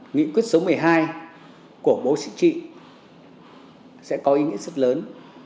nghị quyết số một mươi hai của bố sĩ trị sẽ có ý nghĩa rất lớn